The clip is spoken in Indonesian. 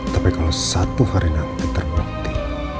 tapi kalo satu hari nanti terbukti